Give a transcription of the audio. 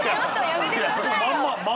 やめてください。